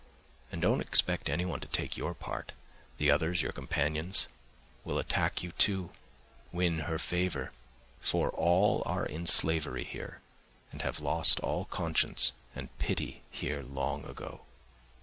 And don't expect anyone to take your part: the others, your companions, will attack you, too, win her favour, for all are in slavery here, and have lost all conscience and pity here long ago.